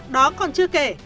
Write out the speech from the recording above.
đó còn chưa kể